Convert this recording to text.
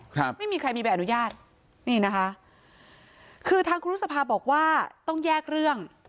ครับไม่มีใครมีใบอนุญาตนี่นะคะคือทางครูรุษภาบอกว่าต้องแยกเรื่อง